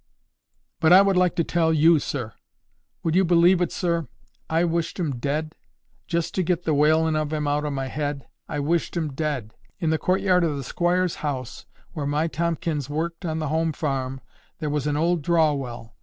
"But I would like to tell YOU, sir. Would you believe it, sir, I wished 'em dead? Just to get the wailin' of them out o' my head, I wished 'em dead. In the courtyard o' the squire's house, where my Tomkins worked on the home farm, there was an old draw well.